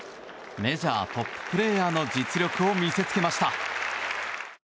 メジャートッププレーヤーの実力を見せつけました。